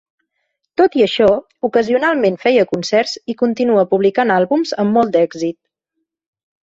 Tot i això, ocasionalment feia concerts i continua publicant àlbums amb molt d'èxit.